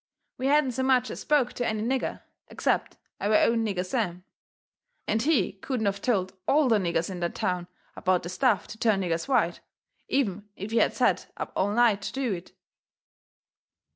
We hadn't so much as spoke to any nigger, except our own nigger Sam, and he couldn't of told ALL the niggers in that town about the stuff to turn niggers white, even if he had set up all night to do it.